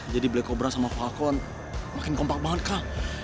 jadi black cobra sama falkon makin kompak banget kak